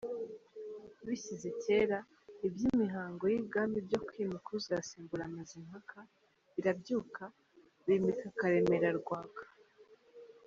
Bishyize kera iby'imihango y'ibwami byo kwimika uzasimbura Mazimpaka birabyuka; Bimika Karemera Rwaka.